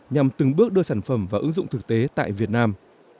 nhằm từng bước đưa sản phẩm vào ứng dụng thực tế tại việt nam